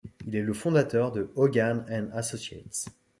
Il est le fondateur de Hoggan & Associates.